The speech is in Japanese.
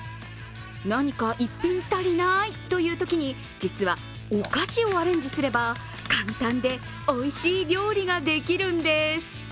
何か１品足りないというときに、実はお菓子をアレンジすれば簡単でおいしい料理ができるんです。